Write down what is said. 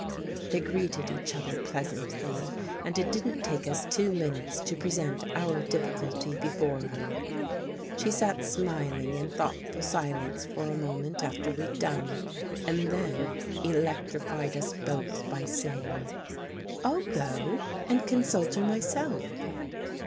They greeted each other pleasantly and it didn't take lis two minutes to present our difficulty before her. She sat smiling in thoughtful silence for a moment after we'd done and then electrified us both by saying: " I'll go and consult her myself."